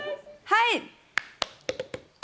はい。